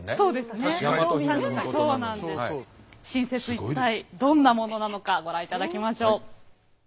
一体どんなものなのかご覧いただきましょう。